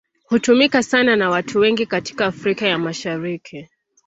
Hutumika sana na watu wengi katika Afrika ya Mashariki.